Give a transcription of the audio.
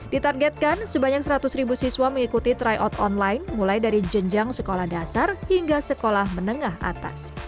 ditargetkan sebanyak seratus ribu siswa mengikuti tryout online mulai dari jenjang sekolah dasar hingga sekolah menengah atas